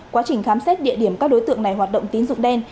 quá trình khám xét địa điểm các đối tượng này hoạt động tín dụng đen